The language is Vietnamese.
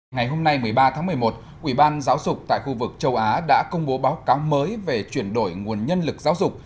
ngày hôm nay một mươi ba tháng một mươi một quỹ ban giáo dục tại khu vực châu á đã công bố báo cáo mới về chuyển đổi nguồn nhân lực giáo dục